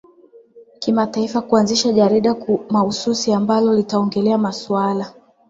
kimataifa Kuanzisha jarida mahususi ambalo litaongelea masuala